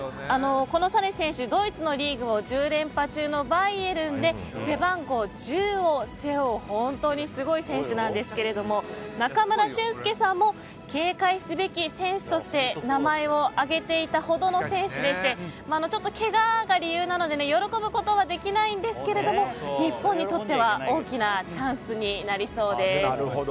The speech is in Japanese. このサネ選手ドイツリーグを１０連覇中のバイエルンで背番号１０を背負う本当にすごい選手なんですけど中村俊輔さんも警戒すべき選手として名前を挙げていたほどの選手でけがが理由なので喜ぶことはできないんですけども日本にとっては大きなチャンスになりそうです。